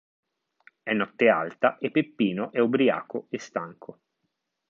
È notte alta e Peppino è ubriaco e stanco.